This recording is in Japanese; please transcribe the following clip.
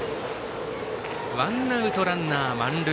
ワンアウトランナー、満塁。